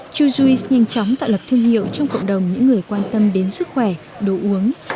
chujuice nhanh chóng tạo lập thương hiệu trong cộng đồng những người quan tâm đến sức khỏe đồ uống